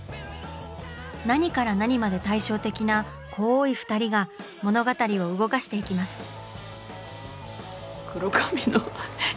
何から何まで対照的な濃い２人が物語を動かしていきます。